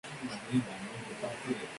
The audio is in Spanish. Es sede del condado de Dare.